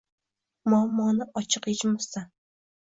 muammoni ochiq yechmasdan